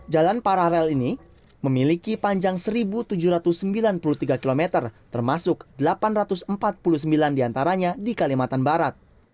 jalan paralel ini memiliki panjang seribu tujuh ratus sembilan puluh tiga km termasuk delapan ratus empat puluh sembilan diantaranya di kalimantan barat